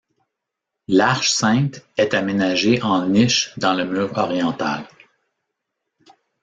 L’Arche sainte est aménagée en niche dans le mur oriental.